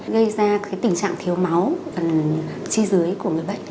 gây ra tình trạng thiếu máu phần chi dưới của người bệnh